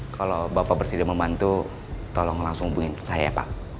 kalau bapak presiden membantu tolong langsung hubungin saya ya pak